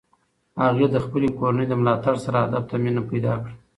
هغې د خپلې کورنۍ له ملاتړ سره ادب ته مینه پیدا کړه.